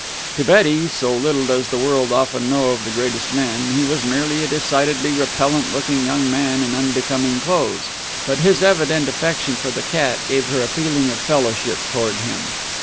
To Betty, so little does the world often know of its greatest men, he was merely a decidedly repellent looking young man in unbecoming clothes. But his evident affection for the cat gave her a feeling of fellowship toward him.